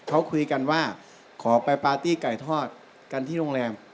เขาคุยกันว่าขอไปปาร์ตี้ไก่ทอดกันที่โรงแรม